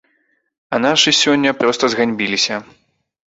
А нашы сёння проста зганьбіліся.